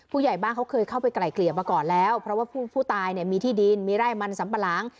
ผู้ใหญ่บ้านเขาเคยเข้าไปไกลเกลี่ยมาก่อนแล้วเพราะว่าผู้ตายเนี่ยมีที่ดินมีไร่มันสัมปะหลัง